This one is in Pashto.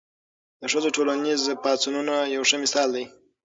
د ښځو ټولنیز پاڅونونه یو ښه مثال دی.